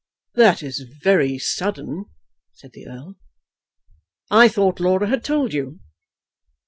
"That is very sudden," said the Earl. "I thought Laura had told you."